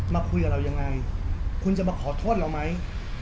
มาคุยกับเรายังไงคุณจะมาขอโทษเราไหม